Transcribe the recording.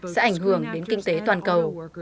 sẽ ảnh hưởng đến kinh tế toàn cầu